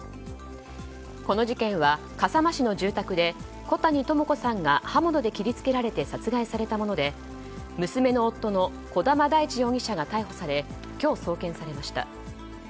この事件は、笠間市の住宅で小谷朋子さんが刃物で切り付けられて殺害されたもので娘の夫の児玉大地容疑者が逮捕され今日、送検されました。